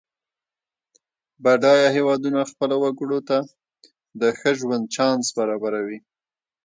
بډایه هېوادونه خپلو وګړو ته د ښه ژوند چانس برابروي.